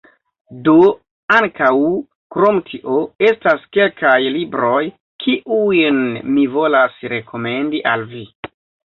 Do, ankaŭ, krom tio, estas kelkaj libroj, kiujn mi volas rekomendi al vi: